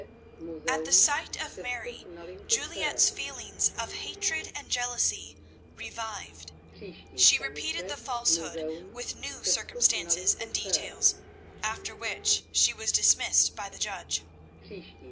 At the sight of Mary, Juliette's feelings of hatred and jealousy revived. She repeated the falsehood, with new circumstances and details, after which she was dismissed by the judge.